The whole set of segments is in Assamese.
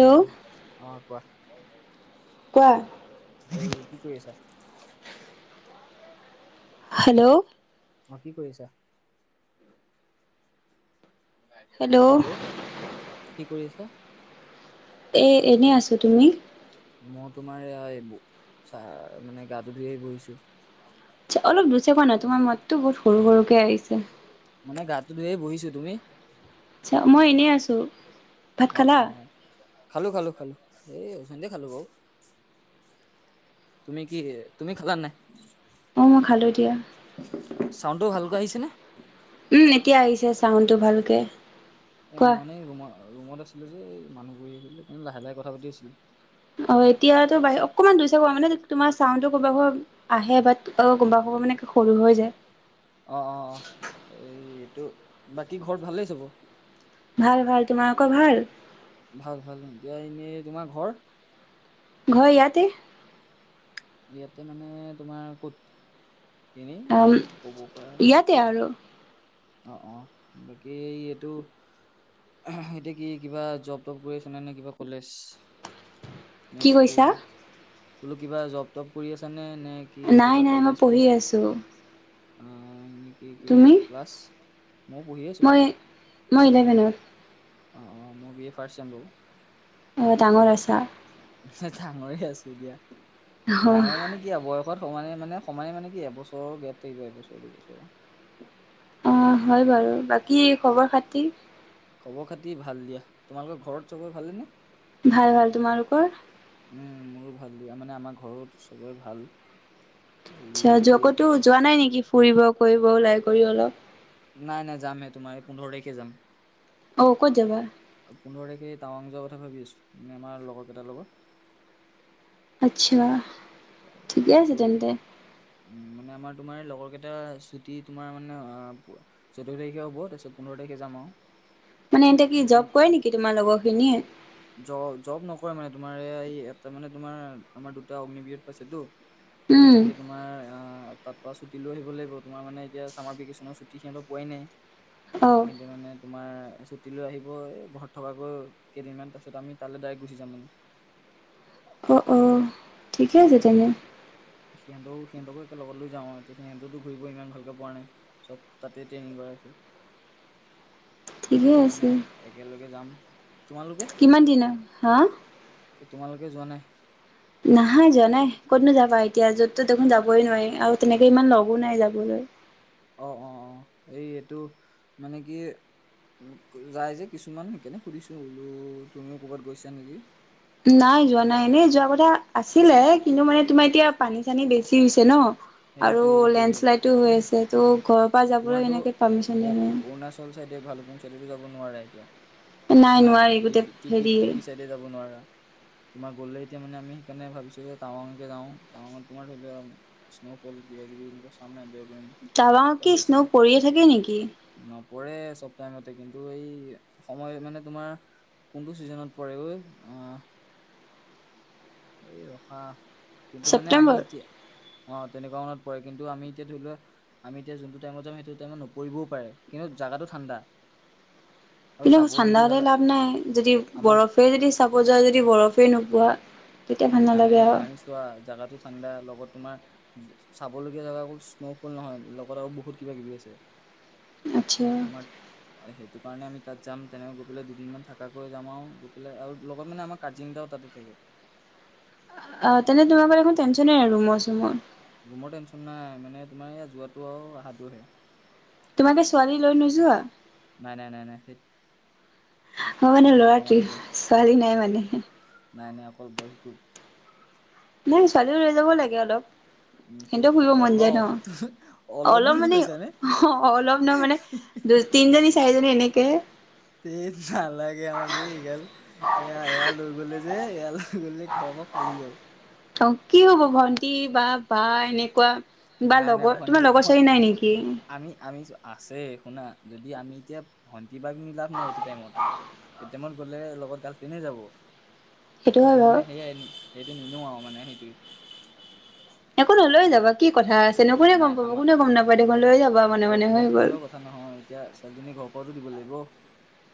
হেল্ল' অ কোৱা কোৱা এই কি কৰি আছা হেল্ল' অ কি কৰি আছা হেল্ল' কি কৰি আছা এই এনেই আছোঁ তুমি মই তোমাৰ এৰা ব চা মানে গাটো ধুই আহি বহিছো অলপ জোৰছে কোৱা না তোমাৰ মাতটো বহুত সৰু সৰুকে আহিছে মানে গাটো ধুয়ে বহিছো তুমি আচ্ছা, মই এনেই আছোঁ। ভাত অ' খালা অ' অ' খালো খালো খালো এই অথনিতে খালো বাৰু। তুমি কি [unintelligible] তুমি খালা নাই? অ' মই খালোঁ দিয়া। চাউণ্ডটো ভালকৈ আহিছেনে? উম, এতিয়া আহিছে চাউণ্ডটো ভালকে। এ, কোৱা মই মানে ৰুমত ৰুমত আছিলোঁ যে এই মানুহ বহি আছিলে যে সেইকাৰণে লাহে লাহে কথা পাতি আছিলোঁ। অ' এতিয়াতো বাহিৰত অকনমান দুই [unintelligible] মানে তোমাৰ চাউণ্ডটো কিবাহঁত আহে বাত আৰু কোনোবা সময়ত মানে সৰু হৈ যায়। অ' অ' অ', এই এইটো বাকী ঘৰত ভালেই চবৰ? ভাল ভাল, তোমালোকৰ ভাল? ভাল ভাল, এতিয়া এনেই তোমাৰ ঘৰ? ঘৰ ইয়াতে। ইয়াতে মানে তোমাৰ ক'ত? এনেই ক'ব পাৰা, ইয়াতে আৰু ইয়াতেই আৰু। অ' অ', বাকী এই এইটো [unintelligible] এতিয়া কি কিবা জব টব কৰি আছানে নে কিবা কলেজ? নে কি স্কুল? কৈছা কি কৈছা? বোলো কিবা জব তব কৰি আছা নে নে কি, নাই কিবা নাই মই কলেজ পু পঢ়ি আছোঁ অ', এনেকি কি তুমি ক্লাছ? মই পঢ়ি আছোঁ বাৰু। মই মই ইলেভেনত। অ' অ', মই বি এ ফাৰ্ষ্ট চেম বাৰু। অ', ডাঙৰ আছা। [unintelligible] ডাঙৰে আছোঁ দিয়া, অ ডাঙৰ মানে কিয় বয়সত সমানে মানে সমানে মানে কি এবছৰৰ গেপ থাকিব, এবছৰ দুবছৰৰ। অ' হয় বাৰু বাকী খবৰ খাতি? খবৰ খাতি ভাল দিয়া, তোমালোকৰ ঘৰত চবৰে ভালে নে? ভাল ভাল তোমালোকৰ? উম, মোৰো ভাল দিয়া, মানে আমাৰ ঘৰত চবৰে ভাল। আচ্ছা য এইটো কতো যোৱা নাই নেকি ফুৰিব কৰিব ওলাই কৰি অলপ? নাই নাই যামহে তোমাৰ এই পোন্ধৰ তাৰিখে যাম। অ' ক'ত যাবা? পোন্ধৰ তাৰিখে এই টাৱাং যোৱা কথা ভাবি আছোঁ, মানে আমাৰ লগৰ কেইটাৰ লগত। আচ্ছা, ঠিকে আছে এইটো তেন্তে। উম, মানে আমাৰ তোমাৰ লগৰ কেইটা ছুটি তোমাৰ মানে অ' চৈধ্য তাৰিখে হ'ব তাৰপিছত পোন্ধৰ তাৰিখে যাম আৰু। মানে ইয়াতে কি জব কৰে নেকি তোমাৰ লগৰ খিনিয়ে? জ-জব নকৰে মানে তোমাৰ এটা মানে তোমাৰ আমাৰ দুটা অগ্নিবীৰত পাইছেতো। মানে উম সিহঁতে তোমাৰ আ তাৰপা ছুটি লৈ আহিব লাগিব, তোমাৰ মানে এতিয়া চামাৰ ভেকেচনৰ ছু টি সিহঁতে পোৱাই, নাই অ কিন্তু মানে তোমাৰ ছুটী লৈ আহিব এ ঘৰত থকাকৈ কেইদিনমান, তাৰপাছত আমি তালৈ ডাইৰেক্ট গুচি যাম মানে। অ অ ঠিকে আছে মানে তেনে সিহঁতকো সিহঁতকো একে লগত লৈ যাওঁ আৰু এতিয়া সিহঁতেটো ঘূৰিব ইমান ভালকে পোৱা নাই। চব তাতে ট্ৰেইনিং কৰাই আছে, ঠিকে সেইকাৰণে আছে মানে একেলগে যাম। তোমালোকে কিমান দিনৰ, হা? এই তোমালোকে যোৱা নাই হে হে। নহয় যোৱা নাই ক'তনো যাবা এতিয়া য'ত-তত দেখোন যাবই নোৱাৰি আৰু তেনেকে ইমান লগো নাই যাবলৈ। অহ অ অ অ অ এই এইটো হা আ আ মানে কি উমহ কলৈ যাই যে কিছুমান সেইকাৰণে সুধিছোঁ বোলো তুমিও ক'ৰবাত গৈছা নেকি? নাই যোৱা নাই এনেই যোৱাৰ কথা আছিলে কিন্তু মানে তোমাৰ এতিয়া পানী-চানী বেছি হৈছে ন আৰু সেইটোৱে সেইটোৱে লেণ্ডছ্শ্লাইডো হৈ আছে ত' ঘৰত পাপা যাবলৈ এনেকে পাৰ্মিশ্যন দিয়া নাই আৰু হে হে। তল চাইডে ভালুকপুং চাইডে যাব নোৱাৰা এতিয়া হা নাই নোৱাৰি টিপি টিপি চাই ডে যাব নোৱাৰা। তোমাৰ গ'লে এতিয়া মানে আমি সেইকাৰণে ভাবিছো যে টাৱাংকে যাও টাৱাংত তোমাৰ ধৰিলোৱা স্ন'ফল কিবা-কিবি এনেকুৱা চাম এনজয় কৰিম। টাৱাংত এতিয়া কি হৈছে স্ন পৰি়য়ে থাকে নেকি? নপৰে চব টাইমতে কিন্তু এই সময় মানে তোমাৰ হা হা কোনটো ছিজনত পৰে ওই অ অ অ এই ৰখা কিন্তু মানে আমি ছেপ্টেম্বৰ এতিয়া অ তেনেকুৱা মানত পৰে কিন্তু আমি এতিয়া ধৰিলোৱা আহ আহ আমি এতিয়া যোনটো টাইমত যাম সেইটো টাইমত নপৰিবও পাৰে কিন্তু জাগাটো ঠাণ্ডা। আৰু কিন্তু চাবলগীয়া ঠাণ্ডাতে জাগা লাভ নাই যদি আমাৰ বৰফে যদি চাব যোৱা যদি বৰফেই নোপোৱা। তেতিয়া এ ভাল নাই নালাগে নাই, আৰু আমি চোৱা জাগাতো ঠাণ্ডা লগত তোমাৰ আহ আহ যে চাবলগীয়া জেগা অকল স্ন'ফল নহয় লগত আৰু বহুত কিবা-কিবি আছে। আচ্ছা তোমাৰ চি অ সেইটো কাৰণে আমি তাত যাম তেনেকৈ গৈ পেলাই দুদিনমান থাকাকৈ যাম আৰু গৈ পেলাই আৰু লগত মানে আমাক কাজিন এটাও তাতে থাকে। অ তেনে তোমাৰ মানে এখন টেনচনেই নাই আৰু ৰুমৰ-চোমৰ ৰুমৰ টেনচন নাই মানে তোমাৰ ইয়াত যোৱাটো আৰু আহাটোহে। তোমালোকে ছোৱালী লৈ নোযোৱা? নাই নাই নাই নাই থেৎ। আহ্ অ মানে ল'ৰা মাৰিব ট্ৰিপ ছোৱালী নাই মানে হে এহ নাই নাই অকল বইচ গ্ৰুপ। নাই ছোৱালীও লৈ যাব লাগে অলপ। উম ধেত সিহঁতৰ ফুৰিব মন যায় অলপ ন অলপ বুলি মানে কৈছা নে অ অহ অলপ নহ মানে হে এহ্ এহ দুই তিনিজনী চাৰিজনী এনেকে। থেৎ নালাগে আমাক কি এই গাল ইহ্ এয়া এয়া লৈ গলে যে এয়াল গ'লে ঘৰৰ পৰা ফালিব। ত কি হ'ব ভন্টি বা বা এনেকুৱা। ক বা নাই নাই লগৰ তোমাৰ ভণ্টি লগৰ ভন ছোৱালী নাই নেকি শুনক না কৈছিলি নাই নি আমি আমি চ আছে শুনা যদি আমি এতিয়া ভণ্টি বা‌ক নি লাভ নাই এইটো টাইমত। এই টাইমত গলেহে লগত গাল ফ্ৰেণ্ডে যাব সেইটো হয় কিন্তু মানে বাৰু সেয়াই নি পিপ ই ই সেইটো নিনো আৰু মানে সেইটোৱে একো ন লৈ সিহঁত যাবা কি কথা আছে নো কোনে নাই গম পাব আমাক কোনেও গম নাপায় দেখোন লৈ যাবা মনে গ মনে হৈ গম গ'ল। পালেও কথা নহয় এতিয়া ছোৱালীজনীৰ ঘৰৰ পৰাওতো দিব লাগিব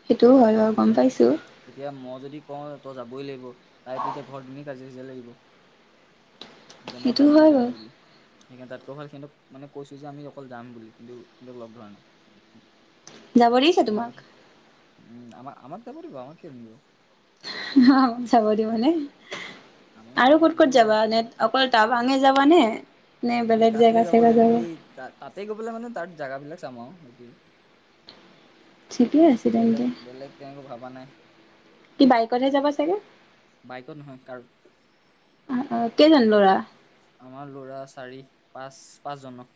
সেইটোও হয় বাৰু গম বুজা নাই। পাইছো এতিয়া মই যদি কওঁ তই যাবই লাগিব তাই তেতিয়া ঘৰত এনে কাজিয়া কাজিয়া লাগিব যে মই সেইটোও যামেই হয় যামেই বাৰু বুলি। এহ্ সেইকাৰণে তাতকৈ ভাল সিহঁতক মানে কৈছো যে আমি অকল যাম বুলি কিন্তু সিহঁতক লগ ধৰা নাই। যাব দিছে উ এয়া তোমাক কৈছো উম উ উ আমাক আমাক যাব দিব আমাক কেলে নিদিব। অ যাব দিব নে? আমাক আৰু যাব ক'ত দিব ক'ত যাবা এনে অকল টাৱাঙে যাবানে নে? সেই বেলেগ তাতে জেগা-চেগা লাগিব যাব? এই তা তাতে গৈ পেলে মানে তাত জেগাবিলাক চাম আৰু সেতি ঠিকে আছে বেলেগ তেন্তে বেলেগ তেনেকৈ ভবা নাই। কি বাইকতহে যাব চাগে? বাইকত নহয় কাৰত। অ অ কেইজন ল'ৰা আমাৰ ল'ৰা চাৰি-পাঁচ-পাঁচজন অ।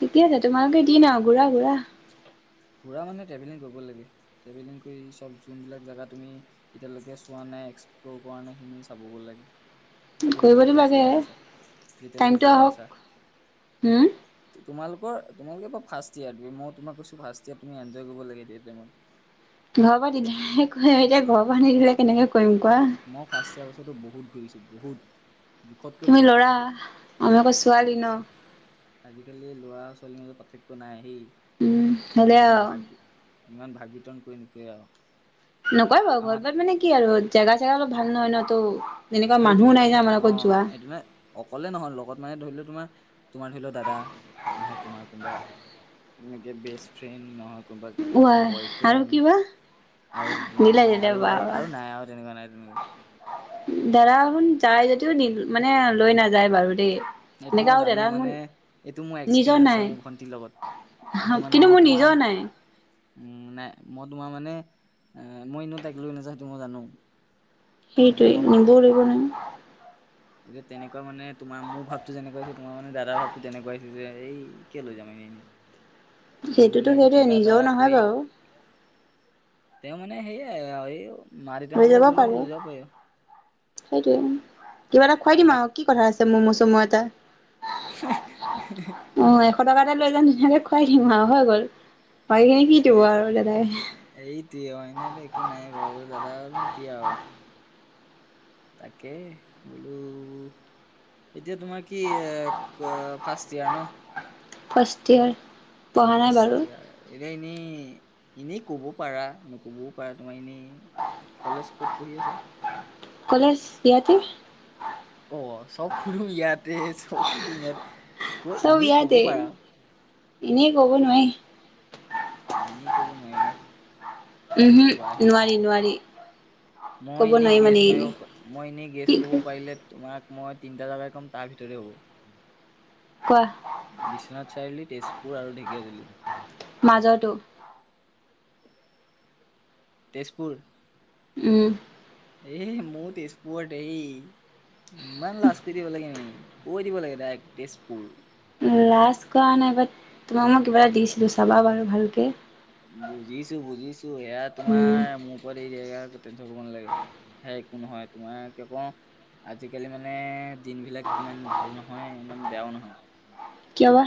ঠিকে আছে। তোমালোকে দিন আৰু ঘূৰা ঘূৰা। ঘূৰা মানে ট্ৰেভেলিং কৰিব লাগে, ট্ৰেভেলিং কৰি চব যোনবিলাক জেগা তুমি এতিয়ালৈকে চোৱা নাই, এক্সপ্ল'ৰ কৰা নাই, খিনি চাবগৈ লাগে। তাকো কৰিবতো যেতিয়ালৈকে লাগে জীয়াই আছা, যেতিয়ালৈকে টাইমটো জীয়াই আহক আছা, হম তোমালোকৰ তোমালোকে এইবাৰ ফাৰ্ষ্ট ইয়েৰ তুমি মই তোমক কৈছো ফাৰ্ষ্ট ইয়েৰ তুমি এনজয় কৰিব লাগে এতিয়া এইটো টাইমত। ঘৰৰ পৰা দিলেহে কৰিম এতিয়া ঘৰৰ পৰা আ নিদিলে কেনেকে কৰিম কোৱা। মই ফাৰ্ষ্ট ইয়েৰ বছৰটো বহুত ঘূৰিছোঁ বহুত। জোখতকৈ তুমি বহুত ল'ৰা আমি আকৌ ছোৱালী ন। আজিকালি ল'ৰা আৰু ছোৱালীৰ মাজত পাৰ্থক্য নাই দেই উম হ'লে ইমান আৰু ভাগ ইমান ভাগ বিতৰন কৰি নুফুৰে আৰু। নকয় বাৰু ঘৰ আমাৰ বাত মানে কি আৰু জেগা চেগা অলপ ভাল নহয় ন তো এনেকুৱা মানুহো সেইটোৱে নাই ন আমাৰ অ লগত যোৱা। এইটো মানে অকলে নহয় লগত মানে ধৰি লোৱা তোমাৰ তোমাৰ ধৰি লওঁ দাদা নহয় তোমাৰ কোনোবা এনেকে বেষ্ট ফ্ৰেণ্ড নহক কোনোবা ৱা আৰু বয়ফ্ৰেণ্ড কিবা আৰু দিলে মানে দিলে আৰু বা বা আৰু নাই আৰু তেনেকুৱা নাই কোনো। দাদা শুন যায় যদিও মানে লৈ নাযায় বাৰু দেই। এইটো এনেকা মই আৰু জানো দাদা মোৰ মানে এইটো মোৰ নিজৰ এক্সপিৰিয়েঞ্চ আছে নাই মোৰ ভন্টিৰ লগত। এইটো মানে কিন্তু মই মোৰ তোমাৰ নিজৰ নাই। উম নাই মই তোমাৰ মানে মই এনেও তাইক লৈ নাযাও সেইটো মই জানো। যে সেইটোৱে আমাৰ প নিবও লাগিব নহয় এতিয়া তেনেকুৱা মানে তোমাৰ মোৰ ভ যেনেকুৱা হৈছে তোমাৰ মানে দাদাৰ ভাৱটো তেনেকুৱা হৈছে যে এই কিয় লৈ যাম এনেই এনেই। এই সেইটোতো গ'লে আকৌ সেইটোৱে কিবা এটা নিজৰও নহয় কৈ বাৰু। তেওঁ মানে সেয়াই আৰু এই মা দেউতা লৈ হতৰ যাব লগত গ'লে পাৰে লৈ যাব পাৰিব। সেইটোৱে, কিবা এটা খুৱাই দিম আৰু কি কথা আছে ম'ম-চম' এটা। [unintelligible] অ এশ টকা এটা লৈ যাম ধুনীয়াকৈ খুৱাই দিম আৰু হৈ গ'ল। বাকীখিনি কি দিব আৰু [unintelligible] দাদাই এইটোৱে অ এনেতো একো নাই বাৰু দাদা আৰু কি আৰু তাকে বোলো এতিয়া তোমাৰ কি ফাৰ্ষ্ট ইয়াৰ ন? First year. ফাৰ্ষ্ট ইয়াৰ এতিয়া এনেই এনেই কব পাৰা নক'বও পাৰা তোমাৰ এনেই কলেজ ক'ত পঢ়ি আছে? কলেজ ইয়াতে অ চব শুধু ইয়াতে, চব শুধু ইয়াতে কৈ চব এনেই ক'ব ইয়াতে পাৰা। এনেই ক'ব নোৱাৰি। এনেই ক'ব নোৱাৰিনে? উম হম, নোৱাৰি নোৱাৰি। মই ক'ব এনেই নোৱাৰি গেছ মানে এইখিনি মাৰিব, মই এনেই গেছ কি ক'ব পাৰিলে তোমাক মই তিনটা জাগাই ক'ম, তাৰ ভিতৰতে হ'ব। কোৱা? বিশ্বনাথ চাৰিআলি, তেজপুৰ আৰু ঢেকীয়াজোলী। মাজৰতো। তেজপুৰ। উম। এ মইও তেজপুৰত এই, ইমান লাজ কৰি থাকিব লাগে নেকি। কৈ দিব লাগে ডাইৰেক্ট তেজপুৰ। লাজ কৰা নাই বাট তোমাক মই কিবা এটা দিছিলোঁ চাবা বাৰু ভালকে। বুজিছোঁ বুজিছোঁ এয়া তোমাৰ উম মোৰ মোৰ ওপৰত এৰি দে সেয়া একো তেঞ্জন কৰিব নালাগে, সেয়া একো নহয় তোমাৰ কে আজিকালি মানে দিনবিলাক কিমান ভাল নহয়, ইমান বেয়াও নহয়। কিয়া বা।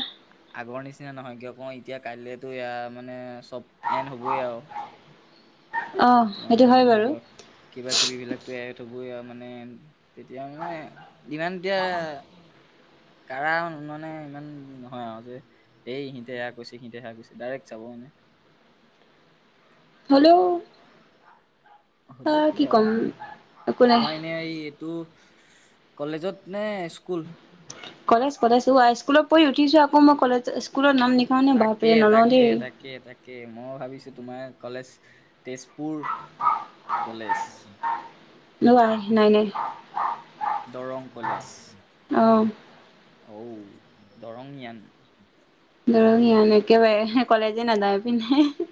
আগৰ নিচিনা নহয় কিয় কওঁ এতিয়া কাইলেতো এইয়া মানে চব এন হ'বয়ে আৰু। অ তোমাৰ সেইটো মানে হয় ধৰি বাৰু লোৱা কিবা-কিবি বিলাকতো এড হ'বই আৰু মানে তেতিয়া মানে, ইমান এতিয়া কাৰ মানে ইমান নহয় আৰু যে এই ইহঁতে এয়া কৈছে, সিহঁতে সেয়া কৈছে ডাইৰেক্ট যাব মনে। হেল্ল'। হ'লেও আহ কি আৰু ক'ম একো নাই তোমাৰ এনেই এই তো' কলেজত নে স্কুল? কলেজ কলেজ ও আই স্কুলত পঢ়ি উঠিছোঁ আকৌ মই কলেজ, স্কুলৰ নাম লিখাওঁনে তাকে বাপৰে নলওঁ তাকে দেই। তাকে, তাকে। মই ভাবিছোঁ তোমাৰ কলেজ তেজপুৰ কলেজ। [unintelligible] নাই নাই। দৰং কলেজ, অ অও দৰংঙীয়ান। দৰংঙীয়ান, একেবাৰে কলেজে নাযায় এই পিনে।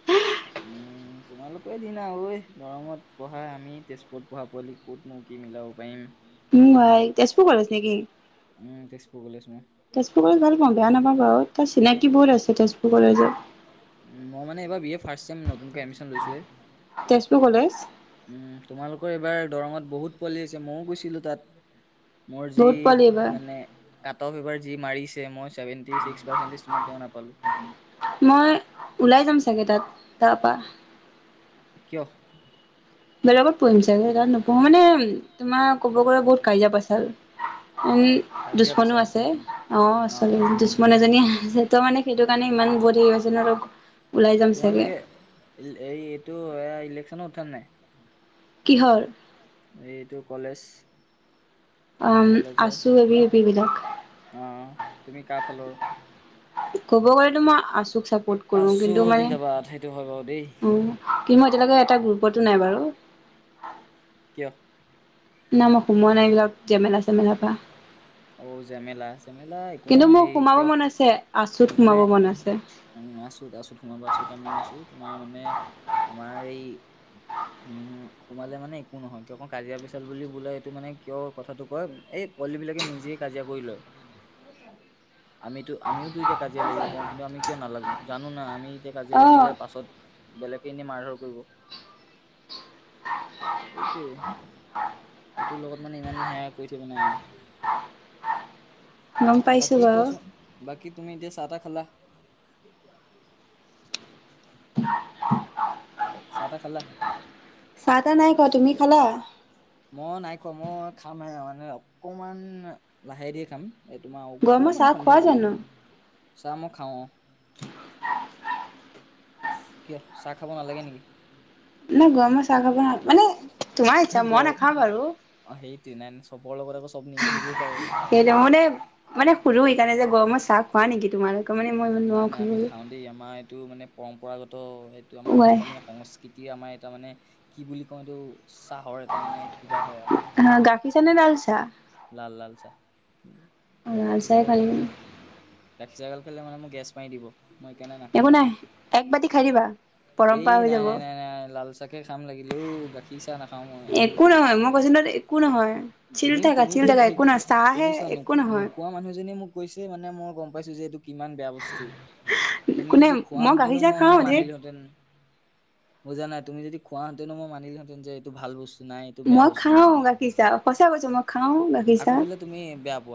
উম, তোমালোকৰে দিনা ঐ দৰংত পঢ়া আমি তেজপুৰত পঢ়া পোৱালি। কতনো কি মিলাব পৰিম উম আই তেজপুৰ কলেজ নেকি উম, তেজপুৰ কলেজ মই। তেজপুৰ কলেজ ভাল পাওঁ বেয়া নাপাওঁ বাৰু। তাৰ চিনাকি বহুত আছে তেজপুৰ কলেজত। উম, মই মানে এইবাৰ বি এ ফাৰ্ষ্ট ছেম নতুনকে এডমিশ্যন লৈছোঁ হে। তেজপুৰ কলেজ? উম, তোমালোকৰ এইবাৰ দৰংত বহুত পোৱালি আহিছে, মইয়ো গৈছিলোঁ তাত। মোৰ যি বহুত পোৱালি এইবাৰ মানে কাত অফ এইবাৰ যি মাৰিছে, মই সেৱেণ্টী ছিক্স পাৰ্চেন্টেজ মই তেওঁ নাপালোঁ। মই ওলাই যাম চাগে তাত, তাৰপৰা। কিয়? বেলেগত পঢ়িম চাগে তাত নোপঢ়ো মানে, তোমাৰ ক'ব গ'লে বহুত কাজিয়া পেছাল। উম, কাজিয়া দুশ্মনো পেচাল। আছে অহ, অ', আচলতে অ', দুশ্মন এজনী আছে ত' মানে সেইটো কাৰণে ইমান বহু হেৰি আছে ন'। ওলাই যাম চাগে তোমালোকে এই-এইটো এয়া ইলেকচনত উঠানে নাই। কিহৰ? এইটো কলেজ। অম কলেজৰ আছু এ ভি বি পি বিলাক। অ', তুমি কা ফালৰ? ক'ব গ'লেতো মই আছুক চাপৰ্ট কৰোঁ আছো কিন্তু মানে জিন্দাবাদ সেইটো হয় বাৰু দেই উ কি মই এতিয়ালৈকে এটা গ্ৰুপতো নাই বাৰু। কিয়? না ম সোমোৱা নাই এইবিলাক জেমেলা চেমেলা পা অ জেমেলা জেমেলা একো কিন্তু নহয় মো এই সোমাব কিয় মন আছে আছুত সোমাব মানে মন আছে। উম আছুত আছুত সোমাবা আছুত আমিও আছোঁ তোমাৰ মানে আমাৰ এই উম সোমালে মানে একো নহয় কিয় ক কাজিয়া পেচাল বুলি বোলে এইটো মানে কিয় কথাটো কয় এই পোৱালী বিলাকে নিজে কাজিয়া কৰি লয় আমিটো আমিওটো এতিয়া কাজিয়া লাগিব পাৰোঁ কিন্তু আমি কিয় নালাগো জানো না আমি এতিয়া কাজিয়া অ লাগিলে পাছত বেলেকে ইনে মাৰ ধৰ কৰিব। এইটোৱে এইটো লগত মানে ইমান সেয়া কই থাইব নাই আও। [inaudible] পাইছো বাকী বাৰু কচোন বাকী তুমি এতিয়া চা তা খালা? [inaudible] চা তা খালা? চা তা নাই খোৱা তুমি খালা? মই নাই খোৱা মই খাম হে মানে অকমান লাহে দিয়ে খাম। এই তোমা গৰমৰ অকমান চাহ সন্ধিয়া খোৱা হ'ব লাইব। জানো চা ম খাওঁ অ', কিয় চা খাব নালাগে নিকি? না গৰম চা খাব না মানে তোমাৰ ইচ্ছা [unintelligible] মই গৰ নাখাওঁ বাৰু অ', সেইটো নাই চবৰ লগত আকৌ চব নিমিলিবও পাৰে। [unintelligible] মানে সোধো সেইকাৰণে যে গৰমত চাহ খোৱা নেকি তোমালোক নাই নাই আমি খাওঁ দেই আমাৰ এইটো মানে পৰম্পৰাগত এইটো আমাৰ ৱাই অসমীয়া সংস্কৃতিৰ আমাৰ এটা মানে কি বুলি কওঁ এইটো চাহৰ এটা মানে কিবা হয় আও। হা গাখী চাহ নে লাল চাহ? লাল লাল চাহ [unintelligible] লাল গাখী চাহ চাহে গাল খাই খালে দিম। মোক গাখী চাহ গাল খালে মানে মো গেছ মাৰি দিব। মই এইকাণে না একো নাই একবাতি খা খাই দিবা। এই পৰম্পৰা হৈ নাই যাব নাই নাই নাই লাল চাকে খাম লাগিলেও গাখীৰ চাহ নাখাওঁ মই। কো নহয় ম কৈছোঁ [unintelligible] একো নহয়। চিল তুমি থাকা চিল তুমিতো থাকা সেই একো সে নহয় তুমি চাহহে চোৱা একো নোকো নহয় নোখোৱা মানুহজনীয়ে মোক কৈছে মানে মই গম পাইছোঁ যে এইটো কিমান বেয়া ব স্তু তুমি কোনে যদি খোৱাঁ হেঁতেনো গাখীৰ চাহ মই মানে খাওঁ ধেত মানিলো হেঁতেন মই জানা তুমি যদি খোৱাহেঁতেনো মই মানিলোহেঁতেন যে এইটো ভাল বস্তু নাই। বেয়া মই বস্তু খাওঁ মানে গাখীৰ চাহ সঁচা কৈছোঁ মই খাওঁ গাখী আকৌ বোলে তুমি বেয়া পোৱা